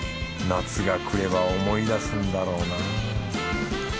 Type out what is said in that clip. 夏が来れば思い出すんだろうな。